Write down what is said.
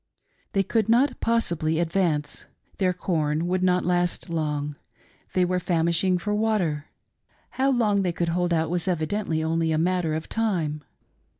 They could not possibly advance. Their corn would not last long. They were famishing for water. How long they could hold out was evidently only a matter of time.